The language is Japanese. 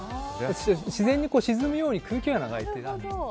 自然に沈むように空気穴が開いてるんです。